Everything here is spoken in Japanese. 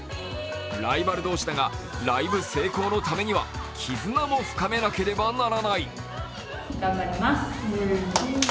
ライバル同士だがライブ成功のためには絆も深めなければならない。